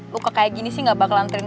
luka kayak gini sih gak bakalan tren